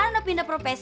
bang omdat dia domiene